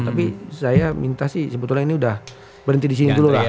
tapi saya minta sih sebetulnya ini sudah berhenti disini dulu lah